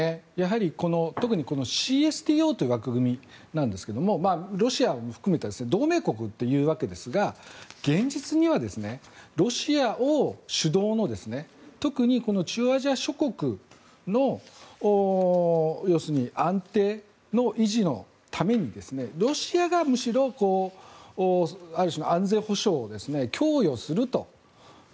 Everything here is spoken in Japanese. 特にＣＳＴＯという枠組みなんですけどロシアも含めて同盟国というわけですが現実には、ロシア主導の特に中央アジア諸国の安定の維持のためにロシアがむしろある種の安全保障を供与すると。